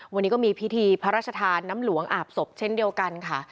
วันนี้ก็มีพิธีพระราชทานน้ำหลวงอาบศพเช่นเดียวกันค่ะ